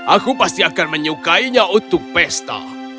aku pasti akan menyukainya untuk pesta